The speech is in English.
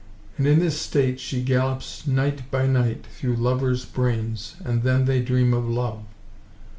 And in this state she gallops night by night Through lovers' brains, and then they dream of love!